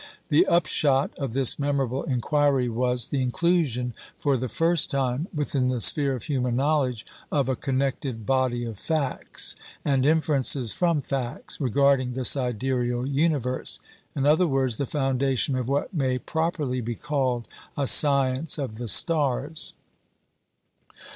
The upshot of this memorable inquiry was the inclusion, for the first time, within the sphere of human knowledge, of a connected body of facts, and inferences from facts, regarding the sidereal universe; in other words, the foundation of what may properly be called a science of the stars.